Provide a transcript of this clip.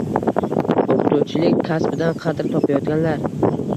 O‘qituvchilik kasbidan qadr topayotganlar